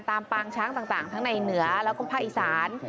ปางช้างต่างทั้งในเหนือแล้วก็ภาคอีสาน